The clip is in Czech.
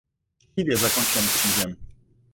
Štít je zakončen křížem.